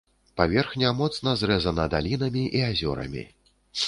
Паверхня моцна зрэзана далінамі і азёрамі.